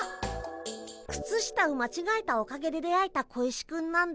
靴下を間違えたおかげで出会えた小石くんなんだ。